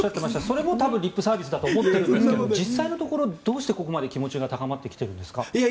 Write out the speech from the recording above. それも多分リップサービスだと思うんですが実際のところどうしてここまで気持ちが高まっていけているんですか。